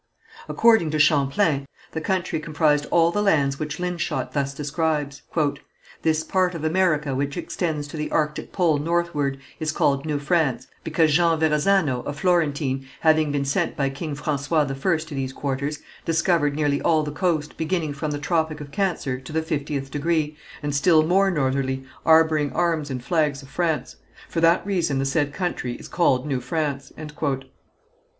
According to Champlain, the country comprised all the lands which Linschot thus describes: "This part of America which extends to the Arctic pole northward, is called New France, because Jean Verazzano, a Florentine, having been sent by King François I to these quarters, discovered nearly all the coast, beginning from the Tropic of Cancer to the fiftieth degree, and still more northerly, arboring arms and flags of France; for that reason the said country is called New France."